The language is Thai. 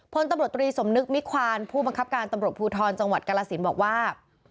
พลตำรวจตรีสมนึกมิควานผู้บังคับการตำรวจภูทรจังหวัดกรสินบอกว่า